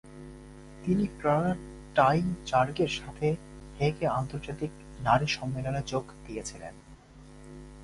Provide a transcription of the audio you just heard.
তিনি ক্লারা টাইবজার্গের সাথে হেগে আন্তর্জাতিক নারী সম্মেলনে যোগ দিয়েছিলেন।